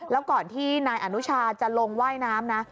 แล้วก่อนที่นายอนุชาจะลงว่ายน้ำนะ